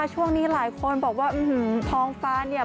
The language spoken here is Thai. ช่วงนี้หลายคนบอกว่าอื้อหือท้องฟ้าเนี่ย